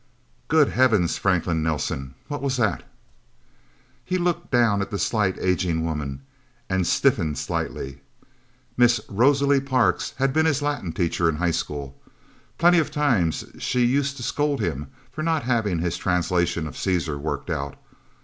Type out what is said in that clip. "Good heavens, Franklin Nelsen what was that?" He looked down at the slight, aging woman, and stiffened slightly. Miss Rosalie Parks had been his Latin teacher in high school. Plenty of times she used to scold him for not having his translations of Caesar worked out.